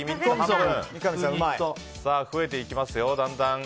増えていきますよ、だんだん。